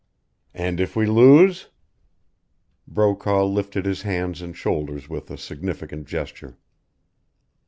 "And if we lose?" Brokaw lifted his hands and shoulders with a significant gesture.